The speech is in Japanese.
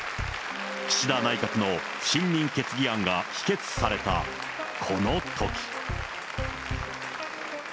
岸田内閣の不信任決議案が否決されたこのとき。